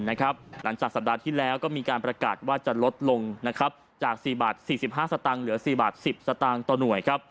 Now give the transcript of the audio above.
หลังจากสัปดาห์ที่แล้วก็มีการประกาศว่าจะลดลงจาก๔บาท๔๕สตางค์เหลือ๔บาท๑๐สตางค์ต่อหน่วย